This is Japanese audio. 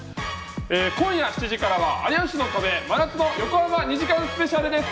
今夜７時からは『有吉の壁』、真夏の横浜２時間スペシャルです。